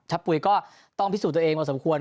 ปุ๋ยก็ต้องพิสูจน์ตัวเองพอสมควร